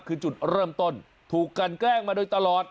คือจุดเริ่มต้นถูกกันแกล้งมาโดยตลอด